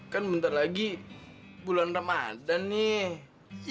kan bentar lagi bulan ramadhan nih